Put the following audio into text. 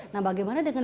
nah bagaimana dengan